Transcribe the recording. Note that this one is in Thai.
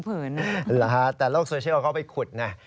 หรือหรือฮะแต่โลกโซเชียลเขาไปขุดนะ